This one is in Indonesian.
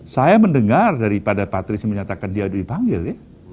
saya mendengar daripada patrice menyatakan dia dipanggil ya